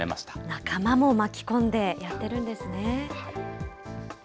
仲間も巻き込んでやってるんですね。